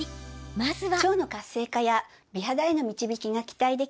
まずは。